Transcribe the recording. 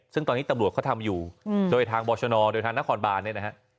ซึ่งตอนนี้ตำรวจเค้าทำอยู่โดยทางบอชนลโดยทางนครบาร์ตนี้นะครับ